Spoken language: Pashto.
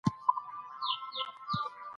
کله هېوادونه نوي ایتلافونه جوړوي؟